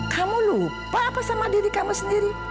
kamu lupa apa sama diri kamu sendiri